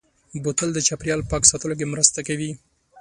بوتل د چاپېریال پاک ساتلو کې مرسته کوي.